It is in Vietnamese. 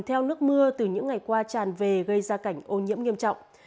theo nước mưa từ những ngày qua tràn về gây ra cảnh ô nhiễm nghiêm trọng